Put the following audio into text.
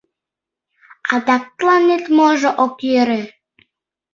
Адак тыланет можо ок йӧрӧ?